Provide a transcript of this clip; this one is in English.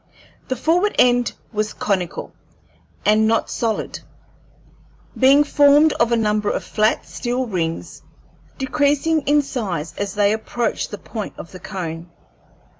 The forward end was conical and not solid, being formed of a number of flat steel rings, decreasing in size as they approached the point of the cone.